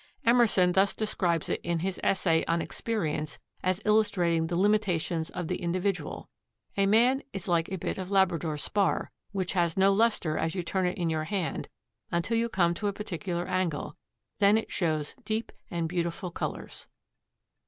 Emerson thus describes it in his essay on Experience as illustrating the limitations of the individual: "A man is like a bit of Labrador spar, which has no lustre as you turn it in your hand until you come to a particular angle; then it shows deep and beautiful colors."